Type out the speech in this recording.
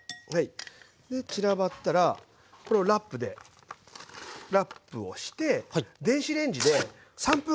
で散らばったらこれをラップでラップをして電子レンジで３分ぐらい加熱しておきます。